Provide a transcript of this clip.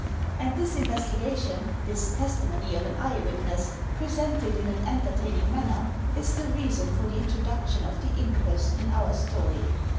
And this investigation, this testimony of an eye witness, presented in an entertaining manner, is the reason for the introduction of the inquest in our story.